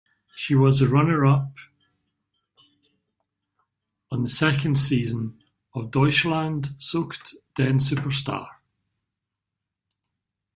She was the runner-up on the second season of "Deutschland sucht den Superstar".